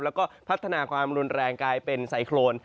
แล้วก็พัฒนาความรุนแรงกลายเป็นไซโครน